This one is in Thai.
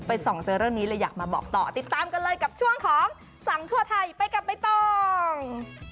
ส่องเจอเรื่องนี้เลยอยากมาบอกต่อติดตามกันเลยกับช่วงของส่องทั่วไทยไปกับใบตอง